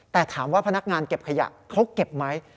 แต่ถามว่าพนักงานเก็บขยะเขาเก็บไหม